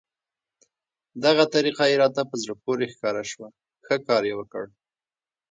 دغه طریقه یې راته په زړه پورې ښکاره شوه، ښه کار یې وکړ.